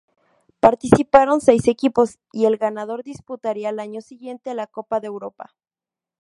Participaron seis equipos, y el ganador disputaría al año siguiente la Copa de Europa.